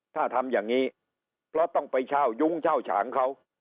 ถ้าทำอย่างนี้เพราะต้องไปเช่ายุ้งเช่าฉางเขา